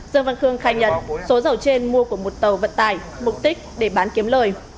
dương văn khương khai nhận số dầu trên mua của một tàu vận tải mục đích để bán kiếm lời